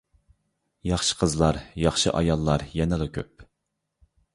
ياخشى قىزلار، ياخشى ئاياللار يەنىلا كۆپ!